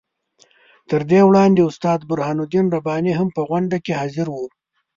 تر دې وړاندې استاد برهان الدین رباني هم په غونډه کې حاضر وو.